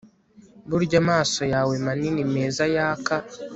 burya amaso yawe manini meza yaka